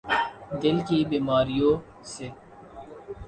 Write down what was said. دل کی بیماریوں س